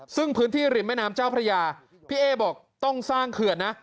ซึ่งพื้นที่ริมแม่น้ำเจ้าพระยาพี่เอ๊บอกต้องสร้างเขื่อนนะ